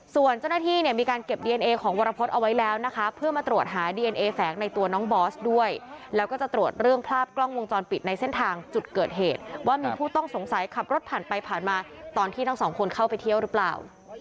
ส่วนเจ้าหน้าที่เนี่ยมีการเก็บดีเอนเอของวรพฤษเอาไว้แล้วนะคะเพื่อมาตรวจหาดีเอนเอแฝงในตัวน้องบอสด้วยแล้วก็จะตรวจเรื่องภาพกล้องวงจรปิดในเส้นทางจุดเกิดเหตุว่ามีผู้ต้องสงสัยขับรถผ่านไปผ่านมาตอนที่ทั้งสองคนเข้าไปเที่ยวหรือเปล่า